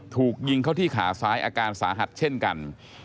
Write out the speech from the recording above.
ถูกยิงเข้าที่ขาซ้ายอาการสาหัสเช่นกัน